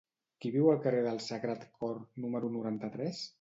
Qui viu al carrer del Sagrat Cor número noranta-tres?